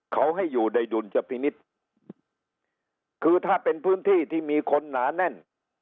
เขาให้อยู่ในดุลจพินิษฐ์คือถ้าเป็นพื้นที่ที่มีคนหนาแน่น